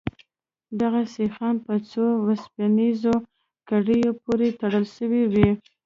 دغه سيخان په څو وسپنيزو کړيو پورې تړل سوي وو.